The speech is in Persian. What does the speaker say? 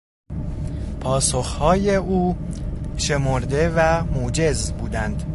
پاسخهای او شمرده و موجز بودند.